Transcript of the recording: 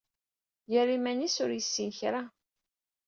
Yerra iman-is ur yessin kra.